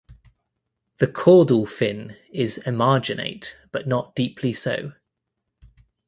The caudal fin is emarginate but not deeply so.